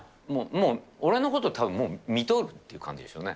もう、俺のこと、たぶんみとるっていう感じでしょうね。